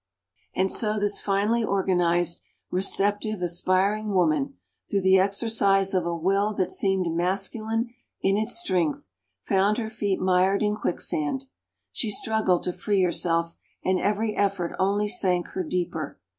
And so this finely organized, receptive, aspiring woman, through the exercise of a will that seemed masculine in its strength, found her feet mired in quicksand. She struggled to free herself, and every effort only sank her deeper.